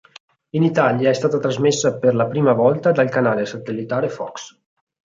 In Italia è stata trasmessa per la prima volta dal canale satellitare Fox.